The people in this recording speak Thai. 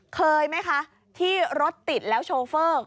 เคยไหมคะที่รถติดแล้วโชเฟอร์